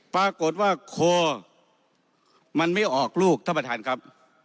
ปรากฏว่าโค่มันไม่ออกลูกธรรมทานครับ